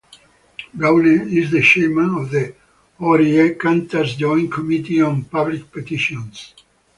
Browne is the Chairman of the Oireachtas Joint Committee on Public Petitions.